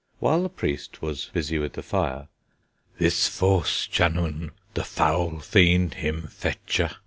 While the priest was busy with the fire, This false chanoun the foulè feend hym fecche!